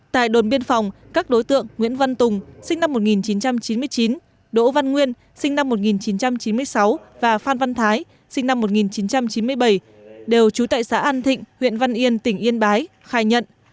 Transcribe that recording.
tại đồn biên phòng các đối tượng nguyễn văn tùng sinh năm một nghìn chín trăm chín mươi chín đỗ văn nguyên sinh năm một nghìn chín trăm chín mươi sáu và phan văn thái sinh năm một nghìn chín trăm chín mươi bảy đều trú tại xã an thịnh huyện văn yên tỉnh yên bái khai nhận